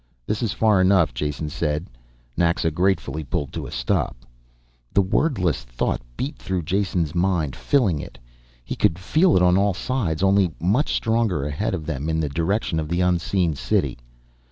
"This is far enough," Jason said. Naxa gratefully pulled to a stop. The wordless thought beat through Jason's mind, filling it. He could feel it on all sides only much stronger ahead of them in the direction of the unseen city.